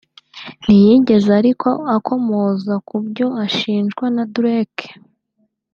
ntiyigeze ariko akomoza ku byo ashinjwa na Drake